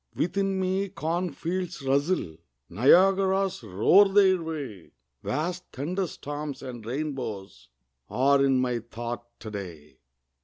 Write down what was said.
Within me cornfields rustle, Niagaras roar their way, Vast thunderstorms and rainbows Are in my thought to day.